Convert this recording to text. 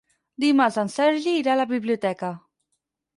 Dimarts en Sergi irà a la biblioteca.